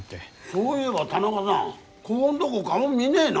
そういえば田中さんこごんどご顔見ねえな。